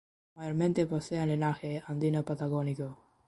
Mayormente poseen linaje andino-patagónico.